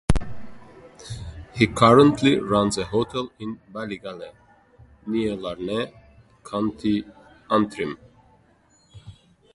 He currently runs a hotel in Ballygalley, near Larne, County Antrim.